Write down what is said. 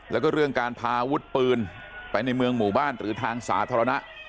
แล้วก็เรื่องการพาอาวุธปืนไปในเมืองหมู่บ้านหรือทางสาธารณะ